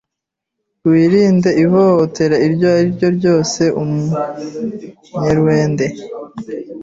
wirinde ihohotere iryo eri ryo ryose Umunyerwende